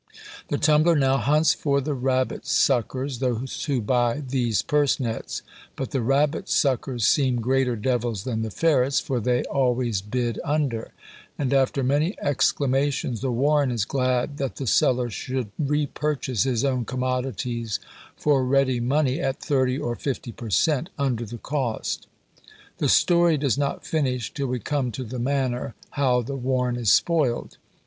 The tumbler now hunts for the rabbit suckers, those who buy these purse nets; but the rabbit suckers seem greater devils than the ferrets, for they always bid under; and after many exclamations the warren is glad that the seller should repurchase his own commodities for ready money, at thirty or fifty per cent. under the cost. The story does not finish till we come to the manner "How the warren is spoiled."